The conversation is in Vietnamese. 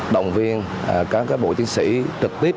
động viên các bộ chiến sĩ trực tiếp